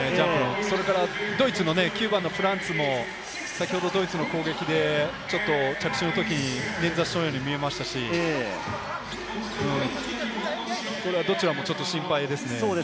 ドイツの９番のフランツも先ほどのドイツの攻撃で、ちょっと着地のときに捻挫したように見えましたし、これはどちらも心配ですね。